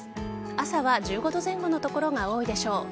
朝は１５度前後の所が多いでしょう。